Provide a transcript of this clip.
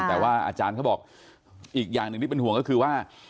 แต่ว่าอาจารย์เขาบอกอีกอย่างหนึ่งที่เป็นห่วงก็คือว่า